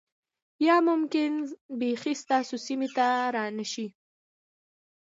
یا ممکن بیخی ستاسو سیمې ته را نشي